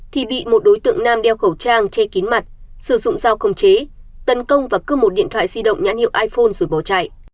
thì bị một đối tượng nam đeo khẩu trang che kín mặt sử dụng dao khống chế tấn công và cướp một điện thoại di động nhãn hiệu iphone rồi bỏ chạy